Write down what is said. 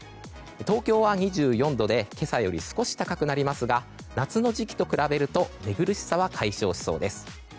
東京は２４度で今朝より少し高くなりますが夏の時期と比べると寝苦しさは解消しそうです。